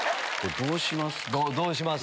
どうします？